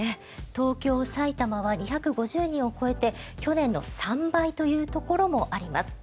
東京、埼玉は２５０人を超えて去年の３倍というところもあります。